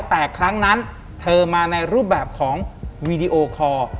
แต่ครั้งนั้นเธอมาในรูปแบบของวีดีโอคอร์